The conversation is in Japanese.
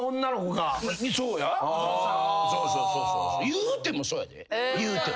いうてもそうやでいうても。